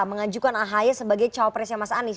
mengajukan ahaya sebagai cowok presiden mas anies